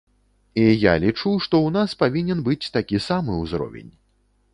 І я лічу, што ў нас павінен быць такі самы ўзровень.